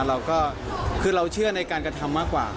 เราก็คือเราเชื่อในการกระทำมากกว่า